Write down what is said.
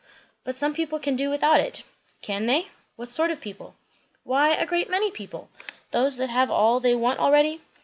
"But some people can do without it." "Can they? What sort of people?" "Why, a great many people. Those that have all they want already."